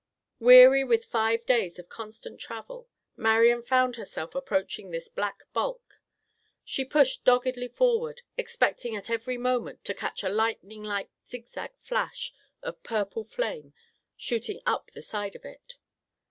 Weary with five days of constant travel, Marian found herself approaching this black bulk. She pushed doggedly forward, expecting at every moment to catch a lightning like zig zag flash of purple flame shooting up the side of it.